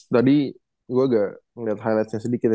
tadi gue agak ngelihat highlightnya sedikit ya